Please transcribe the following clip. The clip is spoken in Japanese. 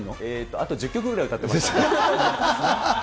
あと１０曲ぐらい歌ってましたね。